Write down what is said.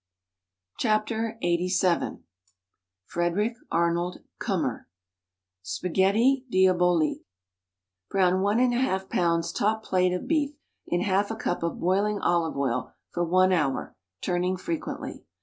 WRITTEN FOR MEN BY MEN LXXXVII Frederick Arnold Kummer SPAGHETTI DIABOLIQUE Brown one and a half pounds top plate of beef in half a cup of boiling olive oil for one hour, turning frequently.